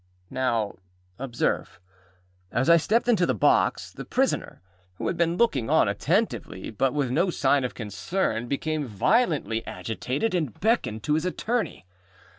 â Now, observe. As I stepped into the box, the prisoner, who had been looking on attentively, but with no sign of concern, became violently agitated, and beckoned to his attorney.